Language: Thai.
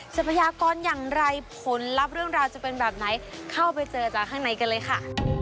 ทรัพยากรอย่างไรผลลัพธ์เรื่องราวจะเป็นแบบไหนเข้าไปเจอจากข้างในกันเลยค่ะ